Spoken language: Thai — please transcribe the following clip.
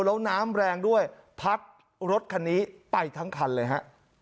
แล้วน้ำแรงด้วยพัดรถคันนี้ไปทั้งคันเลยฮะ